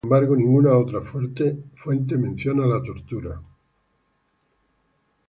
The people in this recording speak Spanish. Sin embargo, ninguna otra fuente menciona la tortura.